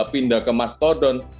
pindah ke mas todon